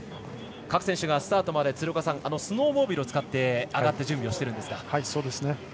各選手がスタートまで鶴岡さんスノーモービルを使って上がって準備をしているんですね。